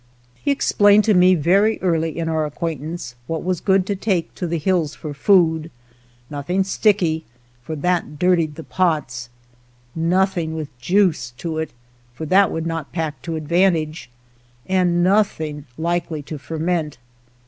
He explained to me very early in our acquaintance what was good to take to the hills for food : nothing sticky, for that "dirtied the pots ;" nothing with "juice " to it, for that would not pack to advantage ; and nothing likely to ferment.